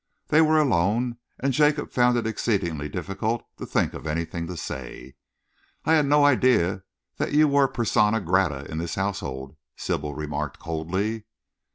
They were alone, and Jacob found it exceedingly difficult to think of anything to say. "I had no idea that you were persona grata in this household," Sybil remarked coldly.